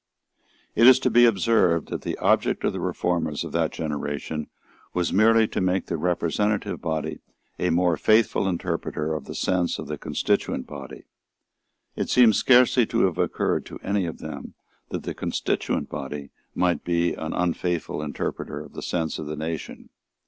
It is to be observed that the object of the reformers of that generation was merely to make the representative body a more faithful interpreter of the sense of the constituent body. It seems scarcely to have occurred to any of them that the constituent body might be an unfaithful interpreter of the sense of the nation.